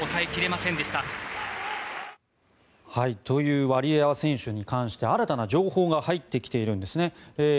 というワリエワ選手に関して新たな情報が入ってきているんですね。